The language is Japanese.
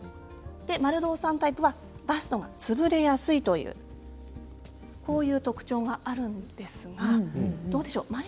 丸胴さんタイプはバストが潰れやすいこういう特徴があるんですがどうでしょう？